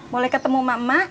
boleh ketemu emak emak